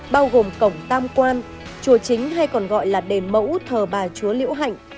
bao gồm cổng tam quan chùa chính hay còn gọi là đền mẫu thờ bà chúa liễu hạnh